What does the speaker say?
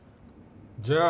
じゃあ